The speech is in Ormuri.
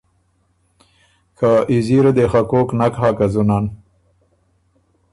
که اېزیره دې خه کوک نک هۀ که ځُونن،